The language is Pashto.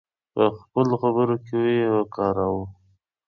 په خپلو خبرو کې یې وکاروو.